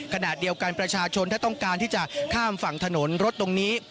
ขณะเดียวกันประชาชนถ้าต้องการที่จะข้ามฝั่งถนนรถตรงนี้